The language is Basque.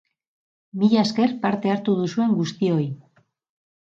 Mila esker parte hartu duzuen guztioi!